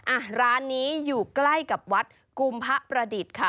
อ่ะร้านนี้อยู่ใกล้กับวัดกุมพระประดิษฐ์ค่ะ